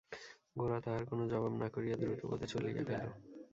গোরা তাহার কোনো জবাব না করিয়া দ্রুতপদে চলিয়া গেল।